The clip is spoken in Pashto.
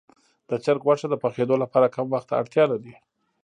د چرګ غوښه د پخېدو لپاره کم وخت ته اړتیا لري.